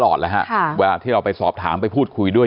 ตลอดแล้วฮะค่ะเวลาที่เราไปสอบถามไปพูดคุยด้วย